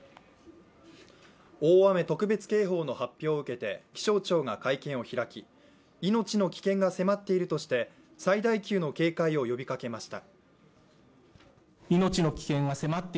大雨特別警報の発表を受けて気象庁が会見を開き命の危険が迫っているとして最大級の警戒を呼びかけました。